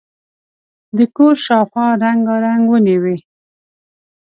د کور شاوخوا رنګارنګ ونې وې.